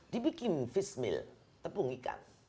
dibikin fish meal tepung ikan